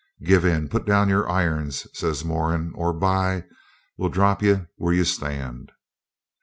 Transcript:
'Give in! Put down your irons,' says Moran, 'or by , we'll drop ye where ye stand.'